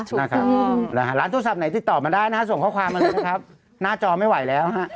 นะครับร้านโทรศัพท์ไหนติดต่อมาได้นะฮะส่งข้อความมาเลยนะครับหน้าจอไม่ไหวแล้วฮะ